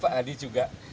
pak adi juga